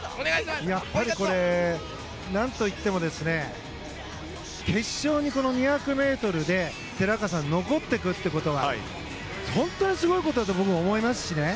やっぱり何といっても決勝の２００ｍで残ってくるということは本当にすごいことだと僕は思いますし。